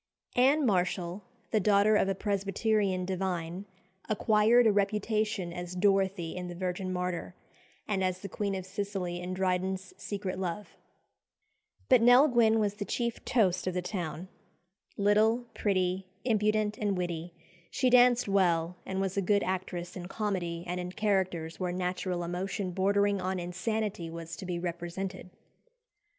Anne Marshall, the daughter of a Presbyterian divine, acquired a reputation as Dorothea in "The Virgin Martyr," and as the Queen of Sicily in Dryden's "Secret Love." But Nell Gwynn was the chief "toast" of the town. Little, pretty, impudent, and witty, she danced well, and was a good actress in comedy and in characters where "natural emotion bordering on insanity" was to be represented.